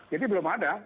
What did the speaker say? jadi belum ada